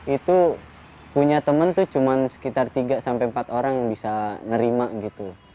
itu punya teman tuh cuma sekitar tiga sampai empat orang yang bisa nerima gitu